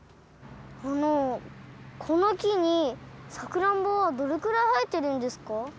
あのこのきにさくらんぼはどれくらいはえてるんですか？